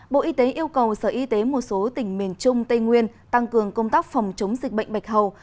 bộ y tế yêu cầu sở y tế một số tỉnh miền trung tây nguyên tăng cường công tác phòng chống dịch bệnh bạch hầu